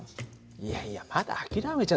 いやいやまだ諦めちゃ駄目だよ。